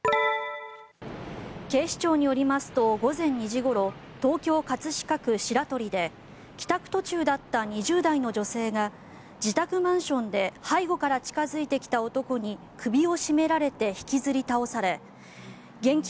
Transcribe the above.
警視庁によりますと午前２時ごろ東京・葛飾区白鳥で帰宅途中だった２０代の女性が自宅マンションで背後から近付いてきた男に首を絞められて引きずり倒され現金